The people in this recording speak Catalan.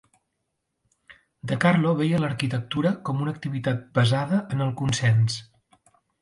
De Carlo veia l'arquitectura com una activitat basada en el consens.